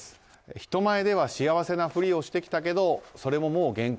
人前では幸せなふりをしてきたけどそれももう限界。